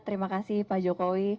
terima kasih pak jokowi